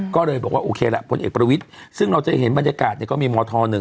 ก็เลยบอกว่าโอเคแหละพลเอกประวิทย์ซึ่งเราจะเห็นบรรยากาศเนี่ยก็มีมธ๑